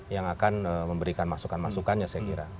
yang akan memberikan masukan masukannya saya kira